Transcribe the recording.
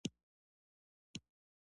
د تیرو تجربو څخه ګټه واخلئ.